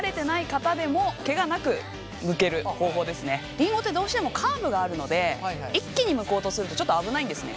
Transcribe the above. りんごってどうしてもカーブがあるので一気にむこうとするとちょっと危ないんですね。